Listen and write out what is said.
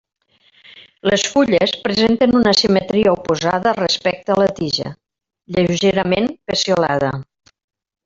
Les fulles presenten una simetria oposada respecte a la tija; lleugerament peciolada.